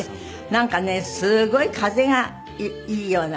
なんかねすごい風がいいような。